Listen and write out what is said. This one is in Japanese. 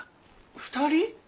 ２人？